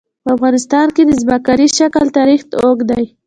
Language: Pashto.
په افغانستان کې د ځمکنی شکل تاریخ اوږد دی.